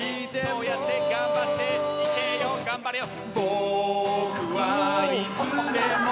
「そうやって頑張っていけよ頑張れよ」